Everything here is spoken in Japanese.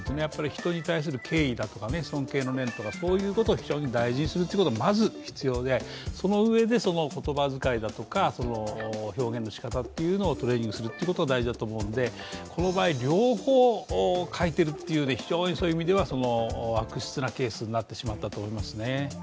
人に対する敬意だとか尊敬の念とかそういうことを非常に大事にするということがまず必要でそのうえで、その言葉遣いだとか表現のしかたをトレーニングすることは大事だと思うので、その場合、両方欠いているのは非常にそういう意味では悪質なケースになってしまったと思いますね。